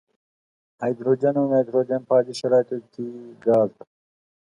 هایدروجن او نایتروجن په عادي شرایطو کې ګاز دي.